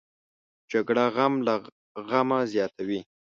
جګړه غم له غمه زیاتوي